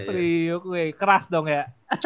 priok wey keras dong ya